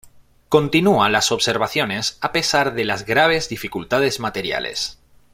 Continua las observaciones a pesar de las graves dificultades materiales.